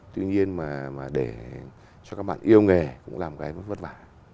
tuy nhiên mà để cho các bạn yêu nghề cũng là một cái mức vất vả